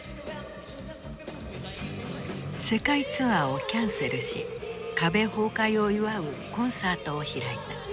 世界ツアーをキャンセルし壁崩壊を祝うコンサートを開いた。